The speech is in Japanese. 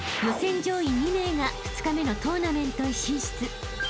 ［予選上位２名が２日目のトーナメントへ進出］